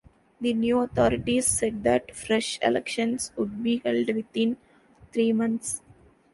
The new authorities said that fresh elections would be held within three months.